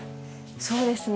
そうですね。